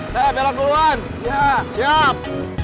saya belok duluan siap